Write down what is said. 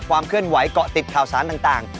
เคลื่อนไหวเกาะติดข่าวสารต่าง